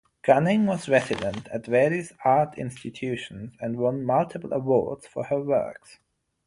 Gunning was resident at various art institutions and won multiple awards for her works.